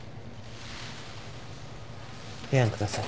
ペアンください。